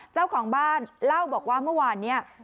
เจ้าของบ้านเล่าบอกว่าเมื่อวานเนี่ย